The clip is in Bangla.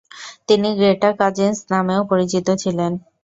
তিনি গ্রেটা কাজিন্স নামেও পরিচিত ছিলেন।